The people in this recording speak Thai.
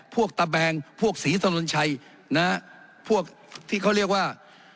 พวกตะแบงพวกศรีสะนวนชัยพวกที่เขาเรียกว่า